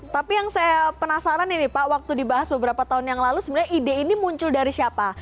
tapi yang saya penasaran ini pak waktu dibahas beberapa tahun yang lalu sebenarnya ide ini muncul dari siapa